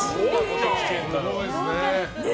すごいですね。